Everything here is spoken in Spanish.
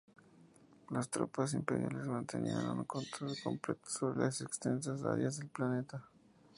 Las tropas imperiales mantenían un control completo sobre las extensas áreas del planeta.